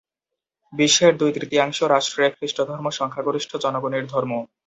বিশ্বের দুই-তৃতীয়াংশ রাষ্ট্রে খ্রিস্টধর্ম সংখ্যাগরিষ্ঠ জনগণের ধর্ম।